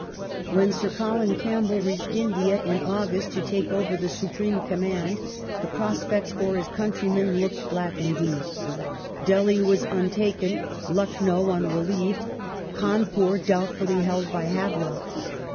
The re When Sir Colin Campbell reached India in August to take over ^f l^d^^* the supreme command the prospects for his countrymen looked black indeed. Delhi was untaken ; Lucknow unrelieved ; Cawnpur doubtfully held by Havelock.